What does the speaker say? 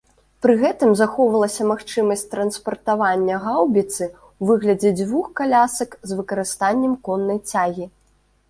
Пры гэтым захоўвалася магчымасць транспартавання гаўбіцы ў выглядзе дзвюх калясак з выкарыстаннем коннай цягі.